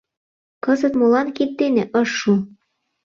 Кызыт молан кид дене ыш шу?